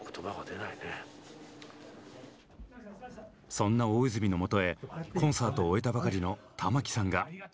そんな大泉の元へコンサートを終えたばかりの玉置さんが。